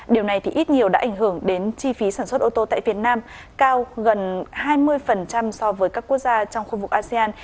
điều này thì ít nhiều đã ảnh hưởng đến chi phí sản xuất ô tô tại việt nam cao gần hai mươi so với các quốc gia trong khu vực asean